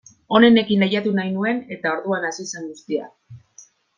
Onenekin lehiatu nahi nuen, eta orduan hasi zen guztia.